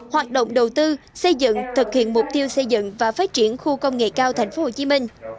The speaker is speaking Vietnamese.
hoạt động đầu tư xây dựng thực hiện mục tiêu xây dựng và phát triển khu công nghệ cao tp hcm